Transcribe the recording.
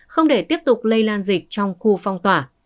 không để tiếp tục lây lan dịch trong khu phong tỏa